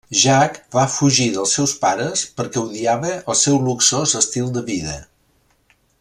Jack va fugir dels seus pares perquè odiava el seu luxós estil de vida.